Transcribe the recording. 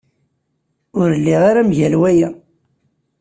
Ur lliɣ ara mgal waya.